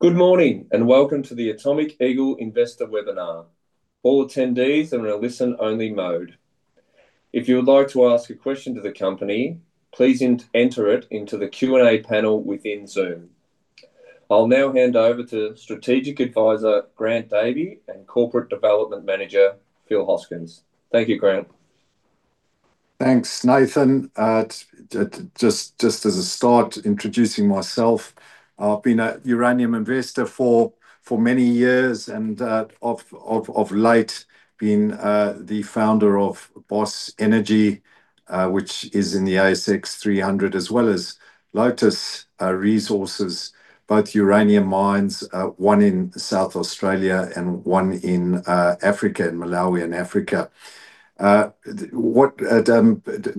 Good morning and welcome to the Atomic Eagle Investor Webinar. All attendees are in a listen-only mode. If you would like to ask a question to the company, please enter it into the Q&A panel within Zoom. I'll now hand over to Strategic Advisor Grant Davey and Corporate Development Manager Phil Hoskins. Thank you, Grant. Thanks, Nathan. Just as a start, introducing myself, I've been a uranium investor for many years and of late been the founder of Boss Energy, which is in the ASX 300, as well as Lotus Resources, both uranium mines, one in South Australia and one in Africa, in Malawi and Africa.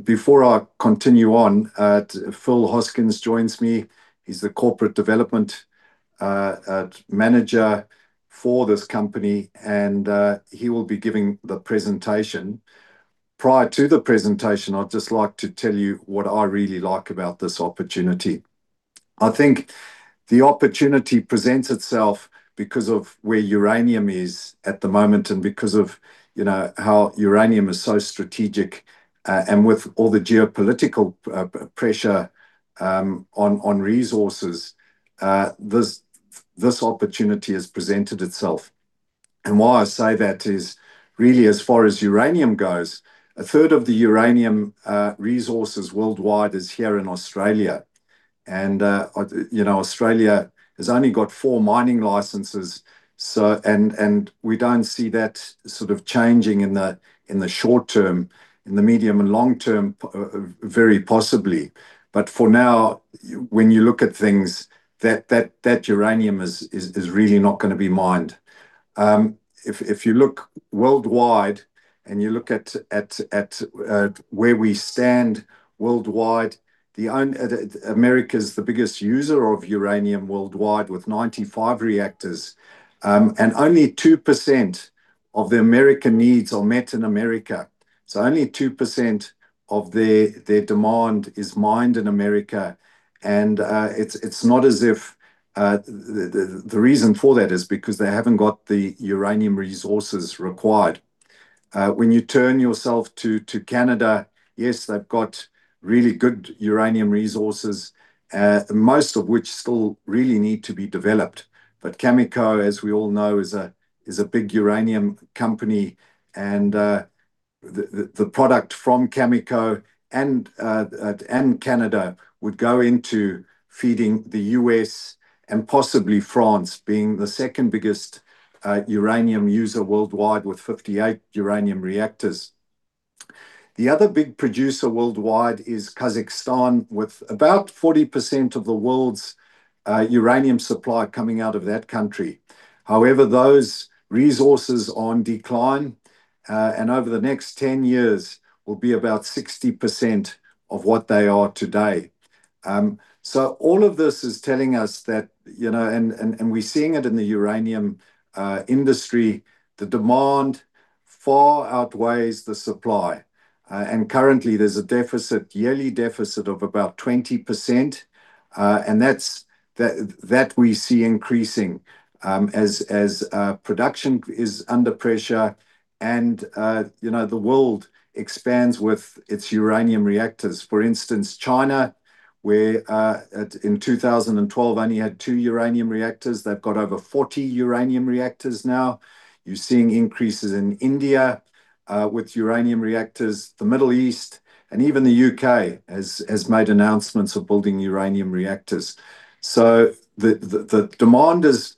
Before I continue on, Phil Hoskins joins me. He's the Corporate Development Manager for this company, and he will be giving the presentation. Prior to the presentation, I'd just like to tell you what I really like about this opportunity. I think the opportunity presents itself because of where uranium is at the moment and because of how uranium is so strategic. With all the geopolitical pressure on resources, this opportunity has presented itself. Why I say that is really, as far as uranium goes, a third of the uranium resources worldwide is here in Australia. Australia has only got four mining licenses, and we do not see that sort of changing in the short term. In the medium and long term, very possibly. For now, when you look at things, that uranium is really not going to be mined. If you look worldwide and you look at where we stand worldwide, the U.S. is the biggest user of uranium worldwide with 95 reactors, and only 2% of the U.S. needs are met in the U.S. Only 2% of their demand is mined in the U.S. It is not as if the reason for that is because they have not got the uranium resources required. When you turn yourself to Canada, yes, they have really good uranium resources, most of which still really need to be developed. Cameco, as we all know, is a big uranium company, and the product from Cameco and Canada would go into feeding the U.S. and possibly France, being the second biggest uranium user worldwide with 58 uranium reactors. The other big producer worldwide is Kazakhstan, with about 40% of the world's uranium supply coming out of that country. However, those resources are on decline, and over the next 10 years, will be about 60% of what they are today. All of this is telling us that, and we're seeing it in the uranium industry, the demand far outweighs the supply. Currently, there's a deficit, yearly deficit of about 20%, and that's that we see increasing as production is under pressure and the world expands with its uranium reactors. For instance, China, where in 2012, only had two uranium reactors, they've got over 40 uranium reactors now. You're seeing increases in India with uranium reactors. The Middle East and even the U.K. has made announcements of building uranium reactors. The demand is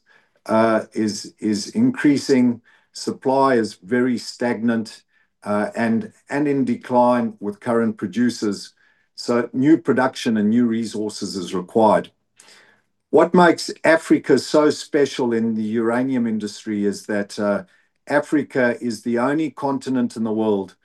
increasing, supply is very stagnant, and in decline with current producers. New production and new resources are required. What makes Africa so special in the uranium industry is that Africa is the only continent in the world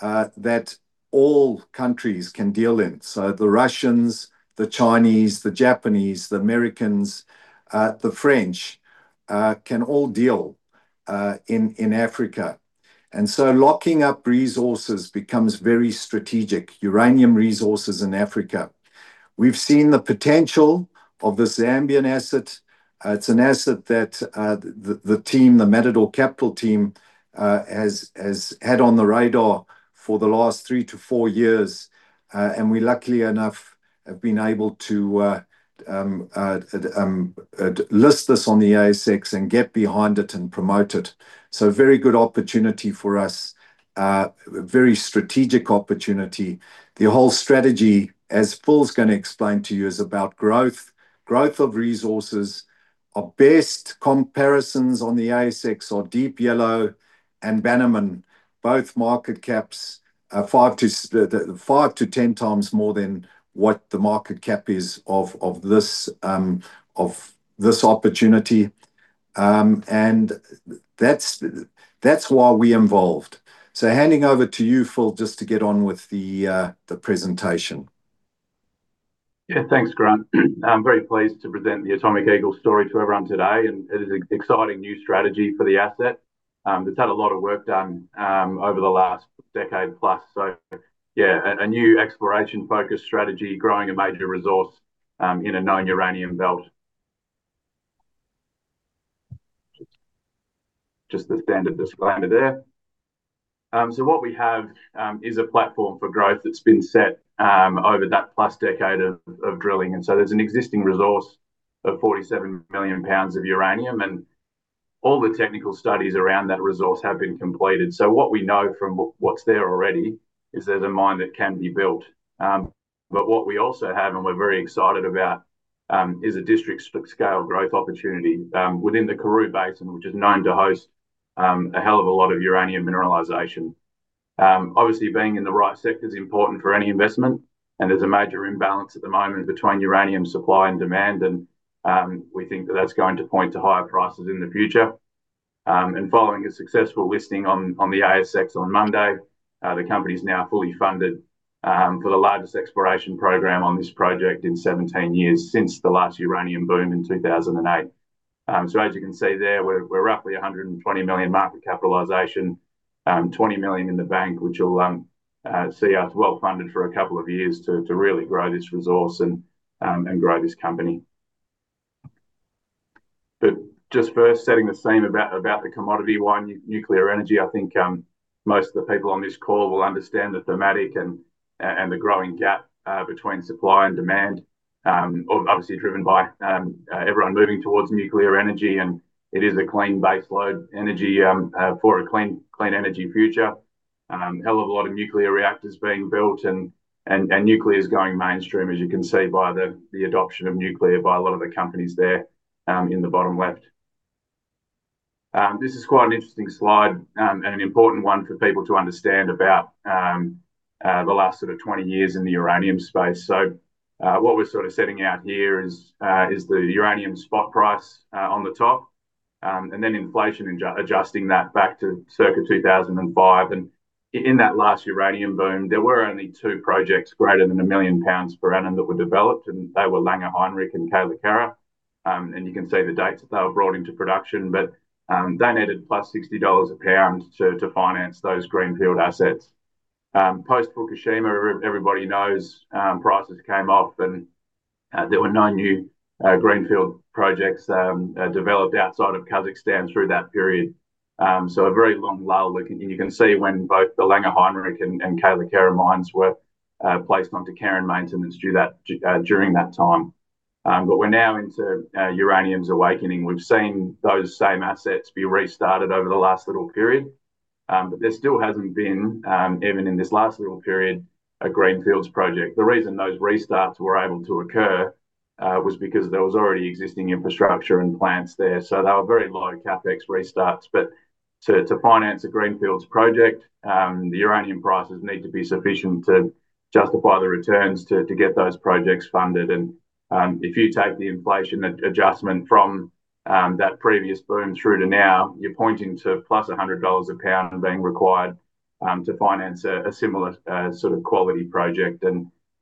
that all countries can deal in. The Russians, the Chinese, the Japanese, the Americans, the French can all deal in Africa. Locking up resources becomes very strategic, uranium resources in Africa. We've seen the potential of the Zambian asset. It's an asset that the team, the Matador Capital team, has had on the radar for the last three to four years. We, luckily enough, have been able to list this on the ASX and get behind it and promote it. Very good opportunity for us, very strategic opportunity. The whole strategy, as Phil's going to explain to you, is about growth. Growth of resources, our best comparisons on the ASX are Deep Yellow and Bannerman, both market caps 5x-10x more than what the market cap is of this opportunity. That's why we're involved. Handing over to you, Phil, just to get on with the presentation. Yeah, thanks, Grant. I'm very pleased to present the Atomic Eagle story to everyone today. It is an exciting new strategy for the asset. It's had a lot of work done over the last decade plus. Yeah, a new exploration-focused strategy, growing a major resource in a known uranium belt. Just the standard disclaimer there. What we have is a platform for growth that's been set over that plus decade of drilling. There's an existing resource of 47 million lbs of uranium, and all the technical studies around that resource have been completed. What we know from what's there already is there's a mine that can be built. What we also have, and we're very excited about, is a district-scale growth opportunity within the Karoo Basin, which is known to host a hell of a lot of uranium mineralization. Obviously, being in the right sector is important for any investment, and there's a major imbalance at the moment between uranium supply and demand, and we think that that's going to point to higher prices in the future. Following a successful listing on the ASX on Monday, the company's now fully funded for the largest exploration program on this project in 17 years since the last uranium boom in 2008. As you can see there, we're roughly 120 million market capitalization, 20 million in the bank, which will see us well funded for a couple of years to really grow this resource and grow this company. First, setting the scene about the commodity, nuclear energy, I think most of the people on this call will understand the thematic and the growing gap between supply and demand, obviously driven by everyone moving towards nuclear energy, and it is a clean baseload energy for a clean energy future. A hell of a lot of nuclear reactors being built and nuclear is going mainstream, as you can see by the adoption of nuclear by a lot of the companies there in the bottom left. This is quite an interesting slide and an important one for people to understand about the last sort of 20 years in the uranium space. What we're sort of setting out here is the uranium spot price on the top, and then inflation adjusting that back to circa 2005. In that last uranium boom, there were only two projects greater than 1 million lbs per annum that were developed, and they were Langer Heinrich and Kayelekera. You can see the dates that they were brought into production, but they needed +60 dollars a pound to finance those greenfield assets. Post Fukushima, everybody knows prices came off, and there were no new greenfield projects developed outside of Kazakhstan through that period. A very long lull, and you can see when both the Langer Heinrich and Kayelekera mines were placed onto care and maintenance during that time. We are now into uranium's awakening. We have seen those same assets be restarted over the last little period, but there still has not been, even in this last little period, a greenfields project. The reason those restarts were able to occur was because there was already existing infrastructure and plants there. They were very low CapEx restarts. To finance a greenfields project, the uranium prices need to be sufficient to justify the returns to get those projects funded. If you take the inflation adjustment from that previous boom through to now, you're pointing to +100 dollars a pound being required to finance a similar sort of quality project.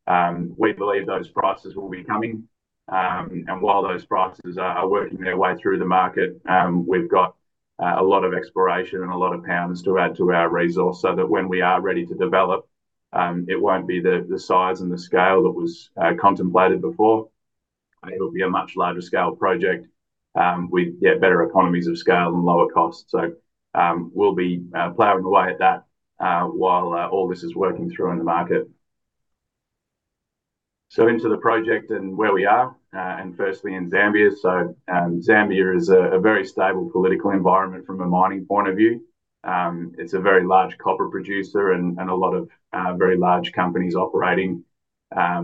We believe those prices will be coming. While those prices are working their way through the market, we've got a lot of exploration and a lot of lbs to add to our resource so that when we are ready to develop, it will not be the size and the scale that was contemplated before. It will be a much larger scale project with better economies of scale and lower costs. We will be ploughing away at that while all this is working through in the market. Into the project and where we are, and firstly in Zambia. Zambia is a very stable political environment from a mining point of view. It is a very large copper producer and a lot of very large companies operating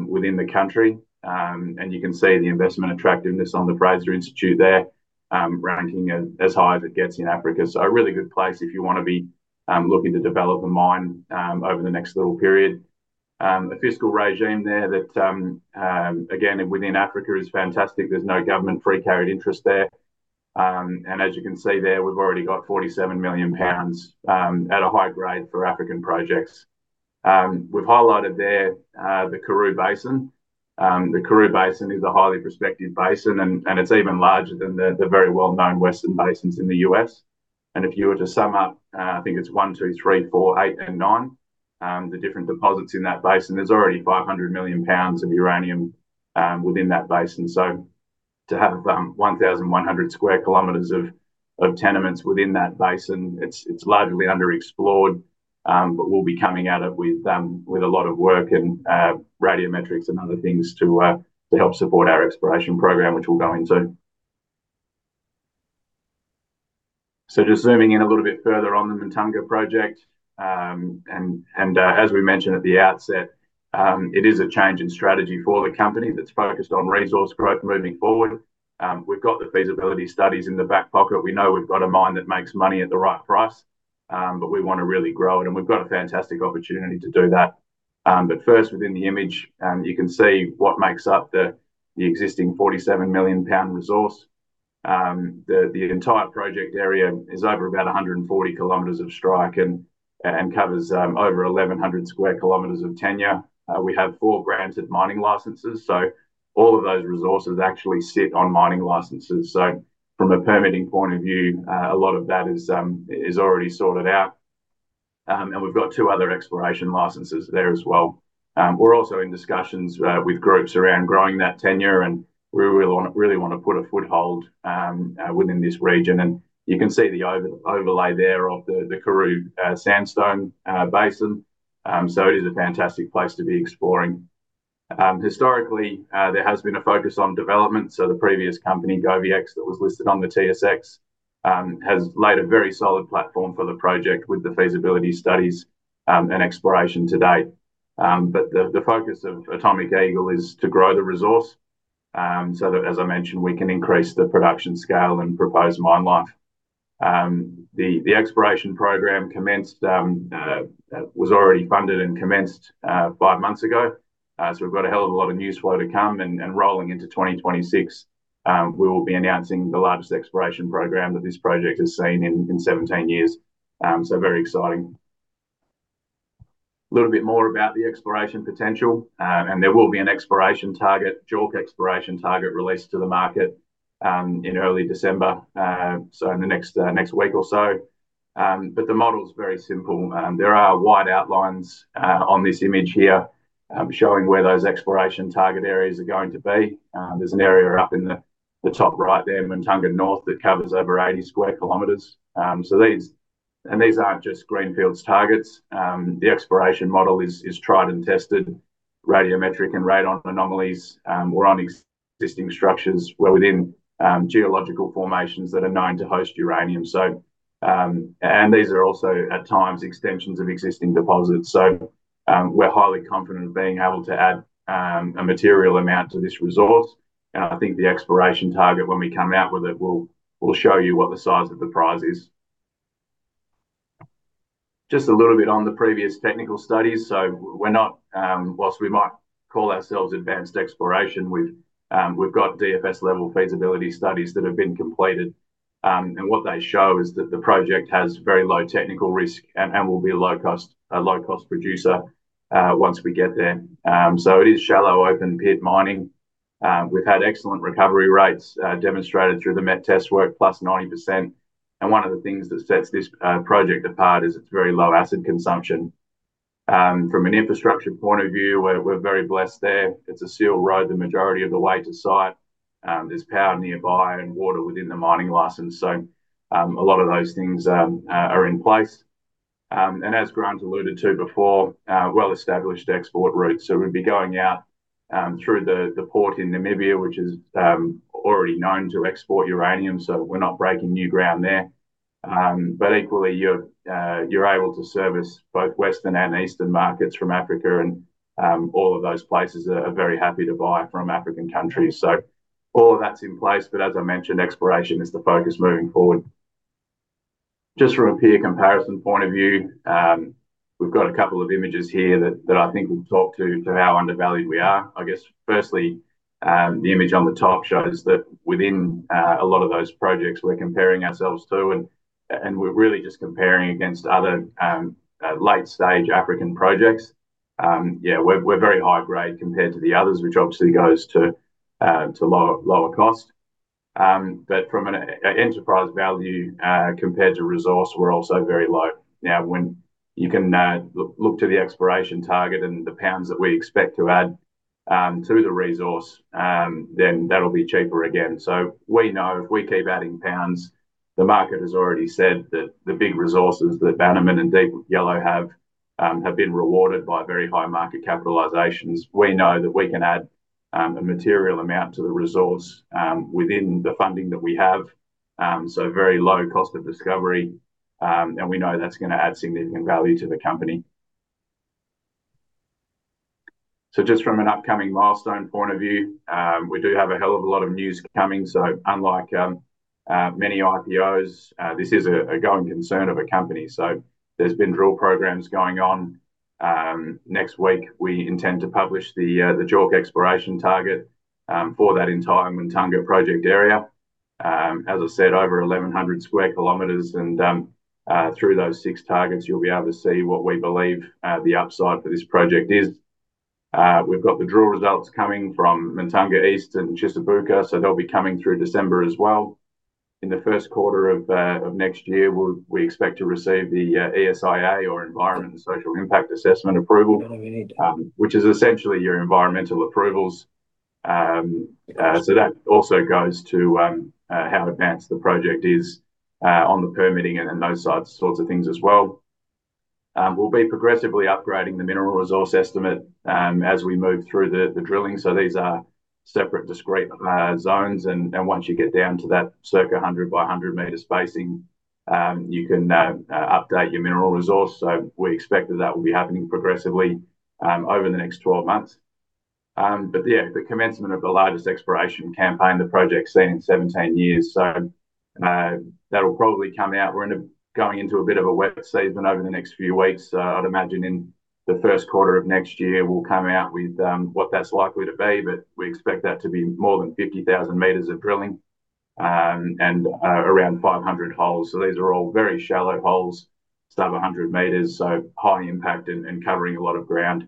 within the country. You can see the investment attractiveness on the Fraser Institute there, ranking as high as it gets in Africa. A really good place if you want to be looking to develop a mine over the next little period. The fiscal regime there that, again, within Africa is fantastic. There is no government precarried interest there. As you can see there, we have already got 47 million lbs at a high grade for African projects. We have highlighted there the Karoo Basin. The Karoo Basin is a highly prospective basin, and it is even larger than the very well-known Western basins in the U.S. If you were to sum up, I think it's one, two, three, four, eight, and nine, the different deposits in that basin, there's already 500 million lbs of uranium within that basin. To have 1,100 sq km of tenements within that basin, it's largely underexplored, but we'll be coming at it with a lot of work and Radiometrics and other things to help support our exploration program, which we'll go into. Just zooming in a little bit further on the Muntanga project. As we mentioned at the outset, it is a change in strategy for the company that's focused on resource growth moving forward. We've got the feasibility studies in the back pocket. We know we've got a mine that makes money at the right price, but we want to really grow it, and we've got a fantastic opportunity to do that. First, within the image, you can see what makes up the existing 47 million pound resource. The entire project area is over about 140 km of strike and covers over 1,100 sq km of tenure. We have four granted mining licenses. All of those resources actually sit on mining licenses. From a permitting point of view, a lot of that is already sorted out. We have two other exploration licenses there as well. We are also in discussions with groups around growing that tenure, and we really want to put a foothold within this region. You can see the overlay there of the Karoo Sandstone Basin. It is a fantastic place to be exploring. Historically, there has been a focus on development. The previous company, GoviEx, that was listed on the TSX has laid a very solid platform for the project with the feasibility studies and exploration to date. The focus of Atomic Eagle is to grow the resource so that, as I mentioned, we can increase the production scale and proposed mine life. The exploration program was already funded and commenced five months ago. We have a hell of a lot of news flow to come. Rolling into 2026, we will be announcing the largest exploration program that this project has seen in 17 years. Very exciting. A little bit more about the exploration potential. There will be an exploration target, JORC exploration target, released to the market in early December, so in the next week or so. The model is very simple. There are wide outlines on this image here showing where those exploration target areas are going to be. There's an area up in the top right there, Muntanga North, that covers over 80 sq km. These aren't just greenfields targets. The exploration model is tried and tested. Radiometric and radon anomalies were on existing structures within geological formations that are known to host uranium. These are also at times extensions of existing deposits. We are highly confident of being able to add a material amount to this resource. I think the exploration target, when we come out with it, will show you what the size of the prize is. Just a little bit on the previous technical studies. Whilst we might call ourselves advanced exploration, we have DFS-level feasibility studies that have been completed. What they show is that the project has very low technical risk and will be a low-cost producer once we get there. It is shallow open pit mining. We've had excellent recovery rates demonstrated through the MET test work, +90%. One of the things that sets this project apart is its very low acid consumption. From an infrastructure point of view, we're very blessed there. It's a sealed road the majority of the way to site. There's power nearby and water within the mining license. A lot of those things are in place. As Grant alluded to before, well-established export routes. We'd be going out through the port in Namibia, which is already known to export uranium. We're not breaking new ground there. Equally, you're able to service both Western and Eastern markets from Africa. All of those places are very happy to buy from African countries. All of that is in place. As I mentioned, exploration is the focus moving forward. Just from a peer comparison point of view, we have a couple of images here that I think will talk to how undervalued we are. I guess, firstly, the image on the top shows that within a lot of those projects, we are comparing ourselves to, and we are really just comparing against other late-stage African projects. We are very high grade compared to the others, which obviously goes to lower cost. From an enterprise value compared to resource, we are also very low. Now, when you can look to the exploration target and the lbs that we expect to add to the resource, then that will be cheaper again. We know if we keep adding lbs, the market has already said that the big resources that Bannerman and Deep Yellow have been rewarded by very high market capitalizations. We know that we can add a material amount to the resource within the funding that we have. Very low cost of discovery. We know that is going to add significant value to the company. Just from an upcoming milestone point of view, we do have a hell of a lot of news coming. Unlike many IPOs, this is a going concern of a company. There have been drill programs going on. Next week, we intend to publish the JORC exploration target for that entire Muntanga project area. As I said, over 1,100 sq km. Through those six targets, you will be able to see what we believe the upside for this project is. We've got the drill results coming from Muntanga East and Chisabuka, so they'll be coming through December as well. In the first quarter of next year, we expect to receive the ESIA or Environmental and Social Impact Assessment approval, which is essentially your environmental approvals. That also goes to how advanced the project is on the permitting and those sorts of things as well. We'll be progressively upgrading the mineral resource estimate as we move through the drilling. These are separate discrete zones. Once you get down to that circa 100 by 100 meters spacing, you can update your mineral resource. We expect that that will be happening progressively over the next 12 months. The commencement of the largest exploration campaign the project has seen in 17 years will probably come out. We're going into a bit of a wet season over the next few weeks. I'd imagine in the first quarter of next year, we'll come out with what that's likely to be. We expect that to be more than 50,000 m of drilling and around 500 holes. These are all very shallow holes, sub 100 m, so high impact and covering a lot of ground.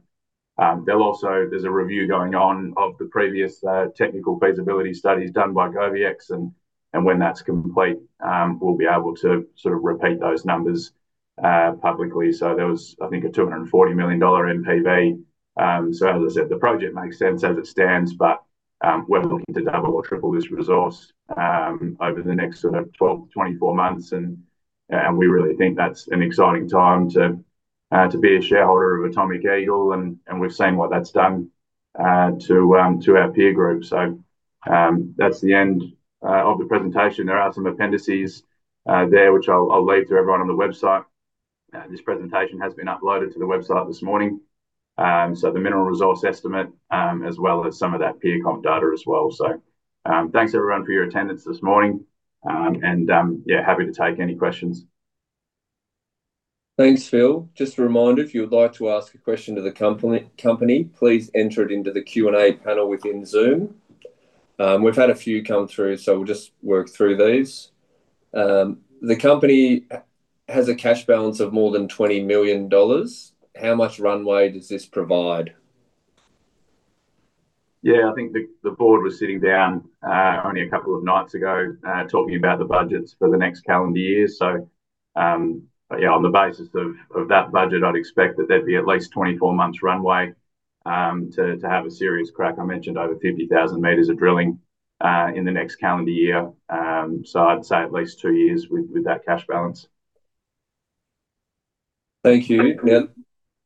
There's a review going on of the previous technical feasibility studies done by GoviEx. When that's complete, we'll be able to sort of repeat those numbers publicly. There was, I think, a 240 million dollar MPV. As I said, the project makes sense as it stands, but we're looking to double or triple this resource over the next 12-24 months. We really think that's an exciting time to be a shareholder of Atomic Eagle. We have seen what that has done to our peer group. That is the end of the presentation. There are some appendices there, which I will leave to everyone on the website. This presentation has been uploaded to the website this morning. The mineral resource estimate, as well as some of that peer comp data as well. Thanks, everyone, for your attendance this morning. Yeah, happy to take any questions. Thanks, Phil. Just a reminder, if you would like to ask a question to the company, please enter it into the Q&A panel within Zoom. We have had a few come through, so we will just work through these. The company has a cash balance of more than 20 million dollars. How much runway does this provide? I think the board was sitting down only a couple of nights ago talking about the budgets for the next calendar year. Yeah, on the basis of that budget, I'd expect that there'd be at least 24-months runway to have a serious crack. I mentioned over 50,000 m of drilling in the next calendar year. I'd say at least two years with that cash balance. Thank you.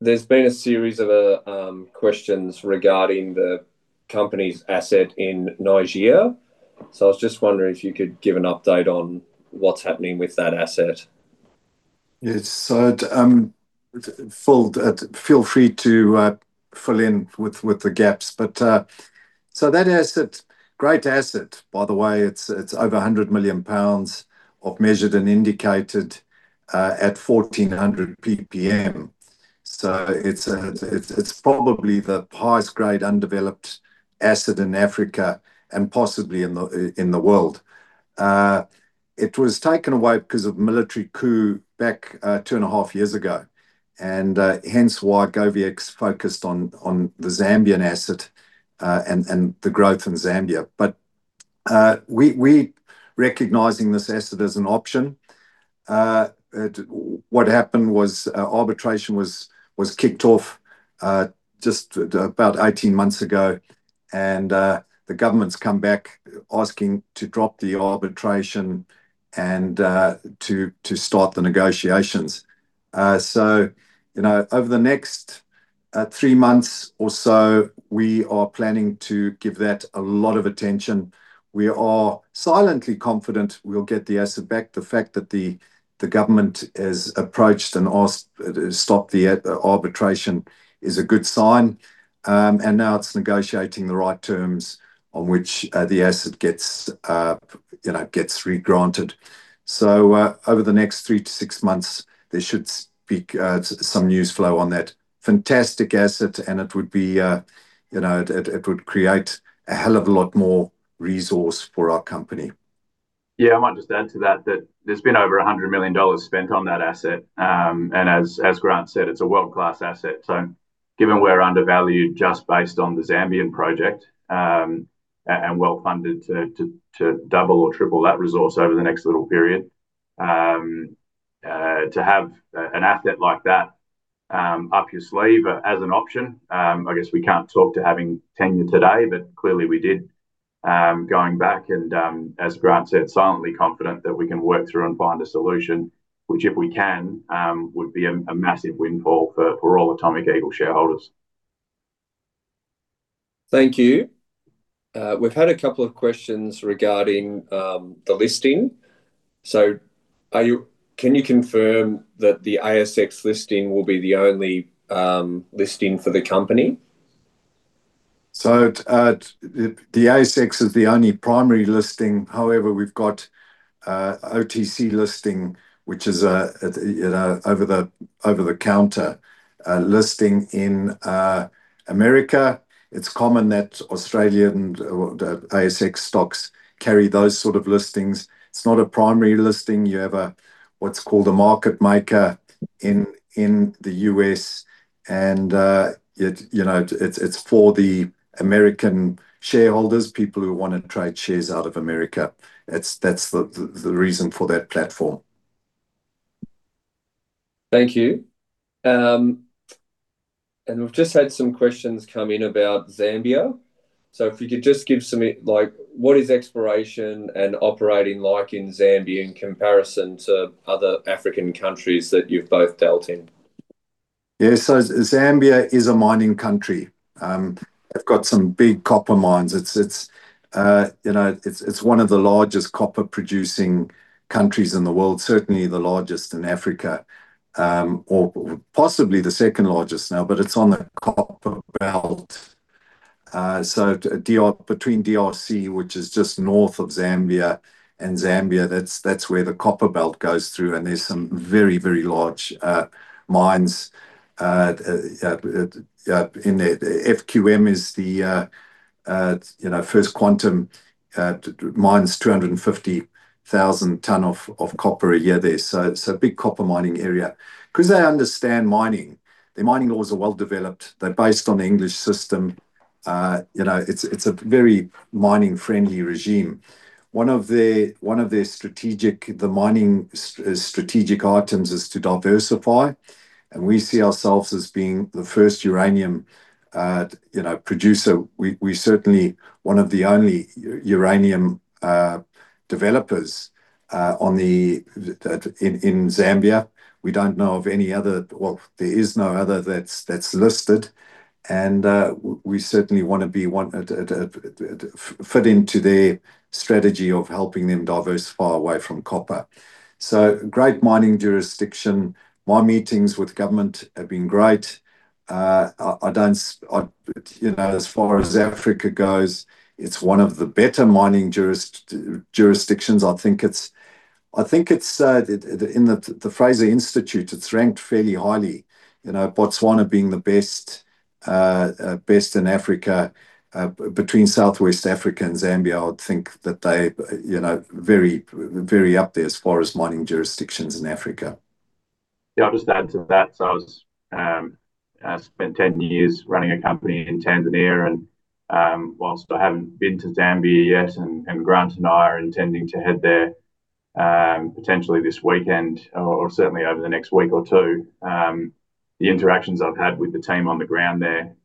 There's been a series of questions regarding the company's asset in Niger. I was just wondering if you could give an update on what's happening with that asset. Yes, feel free to fill in with the gaps. That asset, great asset, by the way, it's over 100 million pounds of measured and indicated at 1,400 ppm. It's probably the highest grade undeveloped asset in Africa and possibly in the world. It was taken away because of military coup back two and a half years ago. Hence why GoviEx focused on the Zambian asset and the growth in Zambia. We, recognizing this asset as an option, what happened was arbitration was kicked off just about 18 months ago. The government's come back asking to drop the arbitration and to start the negotiations. Over the next three months or so, we are planning to give that a lot of attention. We are silently confident we'll get the asset back. The fact that the government has approached and asked to stop the arbitration is a good sign. Now it's negotiating the right terms on which the asset gets regranted. Over the next three to six months, there should be some news flow on that fantastic asset. It would create a hell of a lot more resource for our company. Yeah, I might just add to that that there's been over 100 million dollars spent on that asset. As Grant said, it's a world-class asset. Given we're undervalued just based on the Zambian project and well funded to double or triple that resource over the next little period, to have an asset like that up your sleeve as an option, I guess we can't talk to having tenure today, but clearly we did going back. As Grant said, silently confident that we can work through and find a solution, which if we can, would be a massive windfall for all Atomic Eagle shareholders. Thank you. We've had a couple of questions regarding the listing. Can you confirm that the ASX listing will be the only listing for the company? The ASX is the only primary listing. However, we've got OTC listing, which is over the counter listing in America. It's common that Australian ASX stocks carry those sort of listings. It's not a primary listing. You have what's called a market maker in the U.S. It's for the American shareholders, people who want to trade shares out of America. That's the reason for that platform. Thank you. We've just had some questions come in about Zambia. If you could just give some, what is exploration and operating like in Zambia in comparison to other African countries that you've both dealt in? Yeah, Zambia is a mining country. They've got some big copper mines. It's one of the largest copper-producing countries in the world, certainly the largest in Africa, or possibly the second largest now, but it's on the copper belt. Republic of Congo, which is just north of Zambia, and Zambia, that's where the copper belt goes through. There are some very, very large mines in there. First Quantum Minerals is 250,000 tons of copper a year there. It's a big copper mining area because they understand mining. The mining laws are well developed. They're based on the English system. It's a very mining-friendly regime. One of their strategic items is to diversify. We see ourselves as being the first uranium producer. We're certainly one of the only uranium developers in Zambia. We don't know of any other—well, there is no other that's listed. We certainly want to fit into their strategy of helping them diversify away from copper. Great mining jurisdiction. My meetings with government have been great. As far as Africa goes, it's one of the better mining jurisdictions. I think it's in the Fraser Institute. It's ranked fairly highly, Botswana being the best in Africa. Between Southwest Africa and Zambia, I would think that they're very up there as far as mining jurisdictions in Africa. I'll just add to that. I spent 10 years running a company in Tanzania. Whilst I haven't been to Zambia yet, and Grant and I are intending to head there potentially this weekend or certainly over the next week or two, the interactions I've had with the team on the ground there,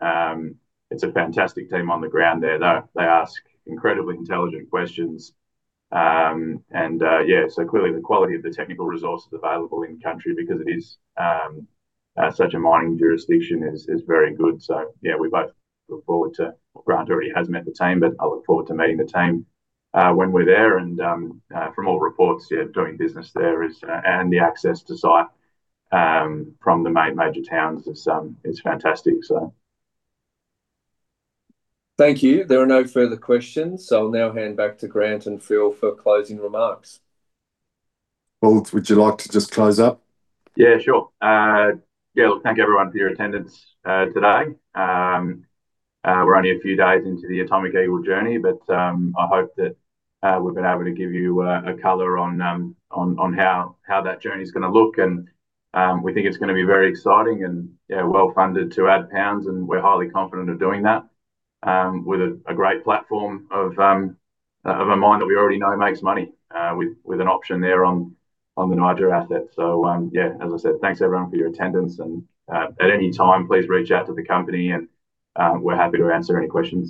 it's a fantastic team on the ground there. They ask incredibly intelligent questions. Clearly the quality of the technical resources available in the country because it is such a mining jurisdiction is very good. Yeah, we both look forward to—Grant already has met the team, but I look forward to meeting the team when we're there. From all reports, doing business there and the access to site from the major towns is fantastic. Thank you. There are no further questions. I'll now hand back to Grant and Phil for closing remarks. Would you like to just close up? Yeah, sure. Yeah, thank everyone for your attendance today. We're only a few days into the Atomic Eagle journey, but I hope that we've been able to give you a color on how that journey is going to look. We think it's going to be very exciting and well funded to add pounds. We are highly confident of doing that with a great platform of a mine that we already know makes money with an option there on the Niger asset. As I said, thanks everyone for your attendance. At any time, please reach out to the company. We are happy to answer any questions.